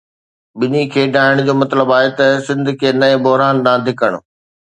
ٻنهي کي ڊاهڻ جو مطلب آهي سنڌ کي نئين بحران ڏانهن ڌڪڻ.